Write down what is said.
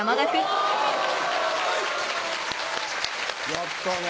やったね。